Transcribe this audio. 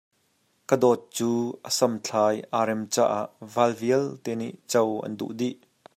Ka dawt cu a samthlai aa rem caah val vialte nih co an duh dih.